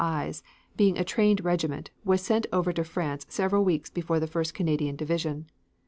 I's. being a trained regiment was sent over to France several weeks before the first Canadian division.